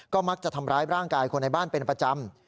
ก็มักจะทำร้ายร่างกายคนในบ้านเป็นประจำ